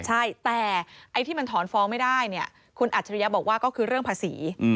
ใช่แต่ไอ้ที่มันถอนฟ้องไม่ได้เนี่ยคุณอัจฉริยะบอกว่าก็คือเรื่องภาษี